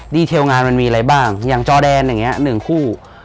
เทลงานมันมีอะไรบ้างอย่างจอแดนอย่างนี้๑คู่